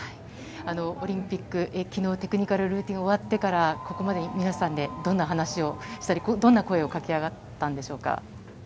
オリンピック、昨日のテクニカルルーティンが終わってから、ここまで皆さんでどんな話をしたり、どんな声を掛け合ったんでしょうか？